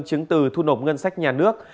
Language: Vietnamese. chứng từ thu nộp ngân sách nhà nước